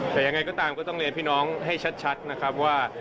แต่ยังไงก็ตามก็ต้องเรียนพี่น้องให้ชัดนะครับว่า